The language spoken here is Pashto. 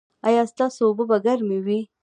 ایا ستاسو اوبه به ګرمې وي؟